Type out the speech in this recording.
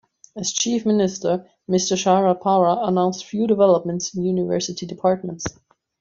As chief minister Mr Sharad Pawar announced few developments in university departments.